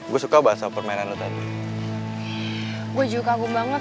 gue juga kagum banget sama permainan lo tadi gue suka banget sama permainan lo tadi